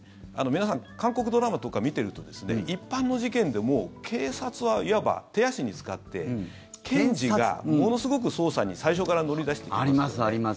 皆さん韓国ドラマとか見てると一般の事件でも警察は、いわば手足に使って検察が、ものすごく捜査に最初から乗り出してきますよね。